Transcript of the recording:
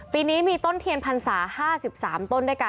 ปีนี้มีต้นเทียนภาษา๕๓ต้น